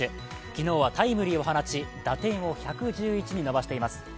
昨日はタイムリーを放ち打点を１１１に伸ばしています。